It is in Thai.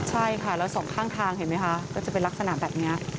ใช่ค่ะแล้วสองข้างทางเห็นไหมคะก็จะเป็นลักษณะแบบนี้